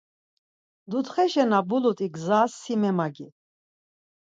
Dutxeşa na vulut̆i, gzas si memagi.